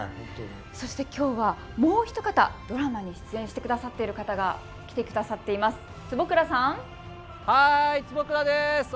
そしてきょうは、もうひと方ドラマに出演してくださってる方が来てくださっています。